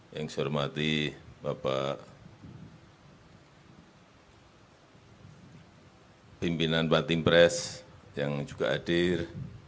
yang saya hormati bapak pimpinan bantin press yang juga hadir